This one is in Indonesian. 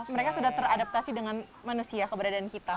mereka sudah teradaptasi dengan manusia keberadaan kita